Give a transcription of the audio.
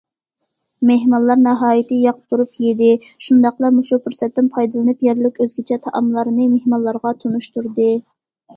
مېھمانلار ناھايىتى ياقتۇرۇپ يېدى، شۇنداقلا مۇشۇ پۇرسەتتىن پايدىلىنىپ يەرلىك ئۆزگىچە تائاملارنى مېھمانلارغا تونۇشتۇردى.